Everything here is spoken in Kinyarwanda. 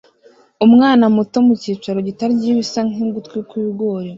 Umwana muto mucyicaro gito arya ibisa nkugutwi kwibigori